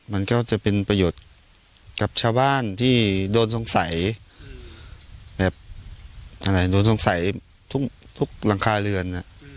มันก็จะเป็นประโยชน์กับชาวบ้านที่โดนสงสัยทุกหลังคาเรือน